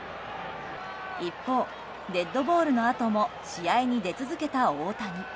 一方、デッドボールのあとも試合に出続けた大谷。